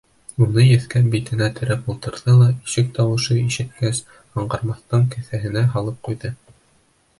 Уны еҫкәп, битенә терәп ултырҙы ла, ишек тауышы ишеткәс, аңғармаҫтан кеҫәһенә һалып ҡуйҙы.